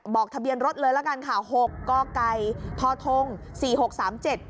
ทะเบียนรถเลยละกันค่ะหกกทอทงสี่หกสามเจ็ด